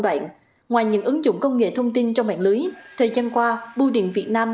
đoạn ngoài những ứng dụng công nghệ thông tin trong mạng lưới thời gian qua bưu điện việt nam